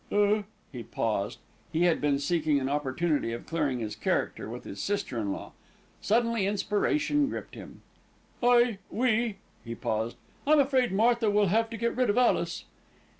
"Er " he paused. He had been seeking an opportunity of clearing his character with his sister in law. Suddenly inspiration gripped him. "I we " he paused. "I'm afraid Martha will have to get rid of Alice."